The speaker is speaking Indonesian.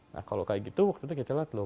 nah kalau kayak gitu waktu itu kita lihat loh